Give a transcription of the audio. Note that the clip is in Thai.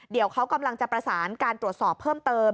เดี๋ยวเขากำลังจะประสานการตรวจสอบเพิ่มเติม